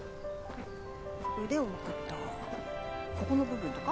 腕をまくったここの部分とか？